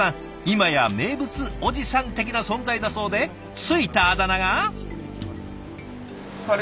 今や名物おじさん的な存在だそうで付いたあだ名が。